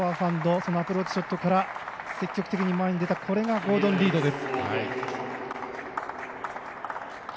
そのアプローチショットから積極的に前に出たこれがゴードン・リードです。